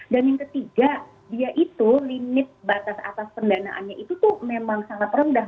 dan yang ketiga dia itu limit batas atas pendanaannya itu tuh memang sangat rendah